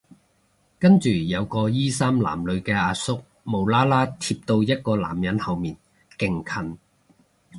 跟住有個衣衫襤褸嘅阿叔無啦啦貼到一個男人後面勁近